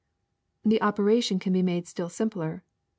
''The operation can be made still simpler.